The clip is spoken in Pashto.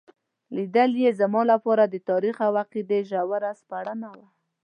لیدل یې زما لپاره د تاریخ او عقیدې ژوره سپړنه وه.